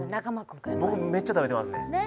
僕めっちゃ食べてますね。